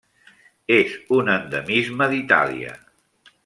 És un endemisme d'Itàlia.